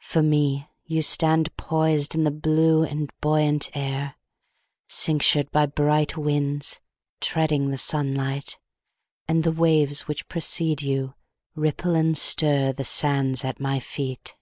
For me, You stand poisedIn the blue and buoyant air, Cinctured by bright winds, Treading the sunlight. And the waves which precede youRipple and stirThe sands at my feet.